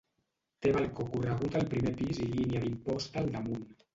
Té balcó corregut al primer pis i línia d'imposta al damunt.